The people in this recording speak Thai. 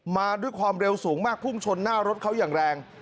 มาด้วยความเร็วสูงมากพุ่งชนหน้ารถเขาอย่างแรง